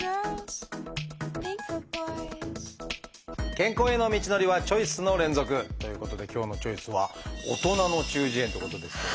健康への道のりはチョイスの連続！ということで今日の「チョイス」は「大人の中耳炎」ってことですけれど。